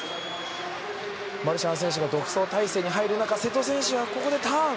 マルシャン選手が独走態勢に入る中瀬戸選手がここでターン！